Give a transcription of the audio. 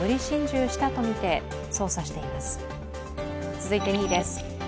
続いて２位です。